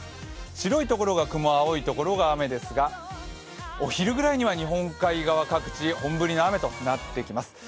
白いところが雲、青いところが雨ですが、お昼ぐらいには日本海側各地本降りの雨となってきます。